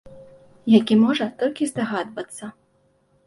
Які, можна толькі здагадвацца.